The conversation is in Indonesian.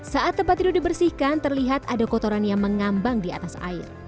saat tempat tidur dibersihkan terlihat ada kotoran yang mengambang di atas air